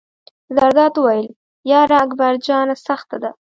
زرداد وویل: یار اکبر جانه سخته ده.